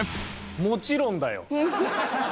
もちろんだよ！